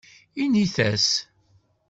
Init-as.